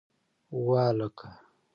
وه هلکه!